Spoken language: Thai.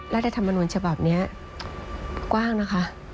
รัฐธรรมนุนฉบับนี้กว้างนะคะ